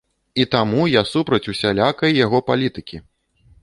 І таму я супраць усялякай яго палітыкі!